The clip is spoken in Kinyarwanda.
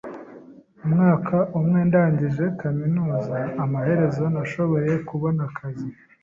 Umwaka umwe ndangije kaminuza, amaherezo nashoboye kubona akazi.